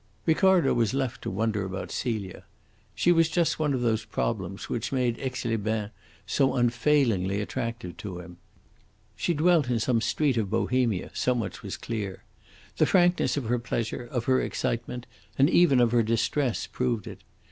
Ricardo was left to wonder about Celia. She was just one of those problems which made Aix les Bains so unfailingly attractive to him. She dwelt in some street of Bohemia; so much was clear. The frankness of her pleasure, of her excitement, and even of her distress proved it.